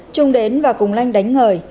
trung đến và cùng lanh đánh ngời